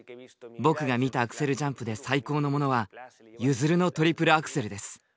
僕が見たアクセルジャンプで最高のものはユヅルのトリプルアクセルです。